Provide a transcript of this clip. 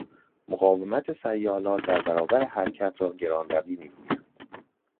مقاومت سیالات در برابر حرکت را گرانروی میگویند.